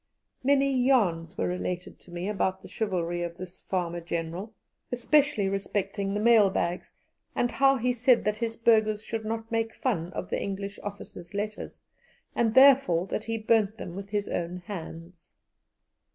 Many yarns were related to me about the chivalry of this farmer General, especially respecting the mail bags, and how he said that his burghers should not make fun of the English officers' letters, and therefore that he burnt them with his own hands.